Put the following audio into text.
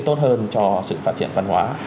tốt hơn cho sự phát triển văn hóa